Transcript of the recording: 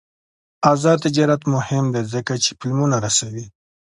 آزاد تجارت مهم دی ځکه چې فلمونه رسوي.